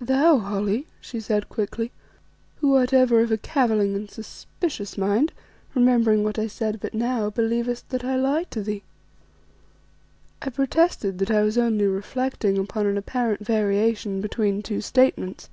"Thou, Holly," she said quickly, "who art ever of a cavilling and suspicious mind, remembering what I said but now, believest that I lie to thee." I protested that I was only reflecting upon an apparent variation between two statements.